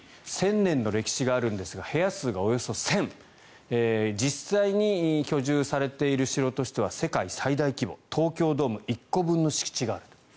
１０００年の歴史があるんですが部屋数がおよそ１０００実際に居住されている城としては世界最大規模東京ドーム１個分の敷地があると。